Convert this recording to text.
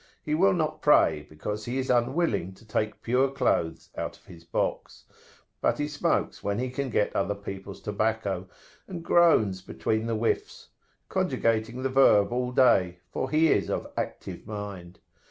He will not pray, because he is unwilling to take pure clothes out of his box; but he smokes when he can get other people's tobacco, and groans between the whiffs, conjugating the verb all day, for he is of active mind.